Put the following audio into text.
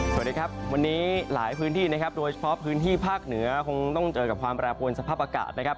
สวัสดีครับวันนี้หลายพื้นที่นะครับโดยเฉพาะพื้นที่ภาคเหนือคงต้องเจอกับความแปรปวนสภาพอากาศนะครับ